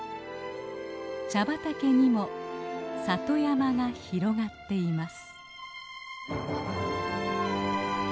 茶畑にも里山が広がっています。